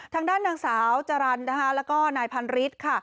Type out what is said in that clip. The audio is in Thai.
ทางด้านนางสาวจรรย์นะคะแล้วก็นายพันฤทธิ์ค่ะ